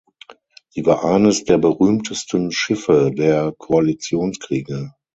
Sie war eines der berühmtesten Schiffe der Koalitionskriege.